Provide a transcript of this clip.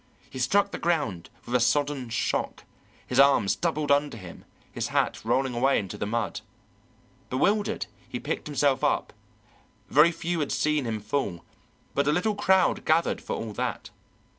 He struck the ground with a sodden shock, his arms doubled under him, his hat rolling away into the mud. Bewildered, he picked himself up; very few had seen him fall, but a little crowd gathered for all that.